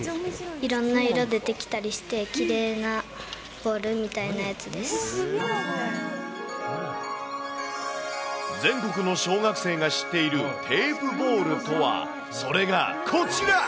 いろんな色でできたりして、全国の小学生が知っているテープボールとは。それがこちら。